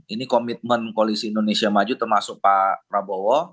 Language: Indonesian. ini komitmen koalisi indonesia maju termasuk pak prabowo